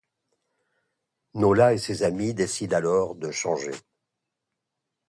Nola et ses amies décident alors de changer.